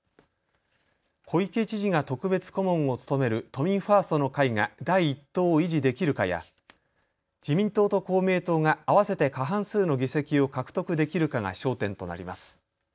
小池知事が特別顧問を務める都民ファーストの会が第１党を維持できるかや自民党と公明党が合わせて過半数の議席を獲得できるかが焦点となります。